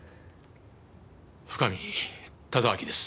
深見忠明です。